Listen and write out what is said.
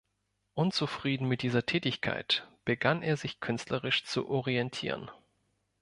Unzufrieden mit dieser Tätigkeit, begann er sich künstlerisch zu orientieren.